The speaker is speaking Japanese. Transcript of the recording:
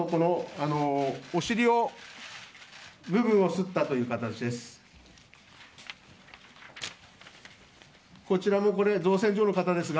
お尻の部分をすったという形です。